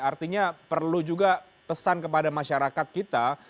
artinya perlu juga pesan kepada masyarakat kita